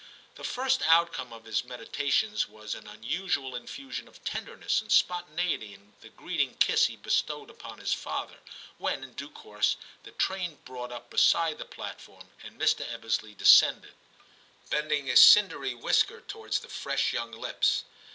The first outcome of his meditations was an unusual infusion of tenderness and spontaneity in the greeting kiss he bestowed upon his father, when in due course the train brought up beside the platform, and Mr. Ebbesley descended, 196 TIM CHAP. bending a cindery whisker towards the fresh young lips.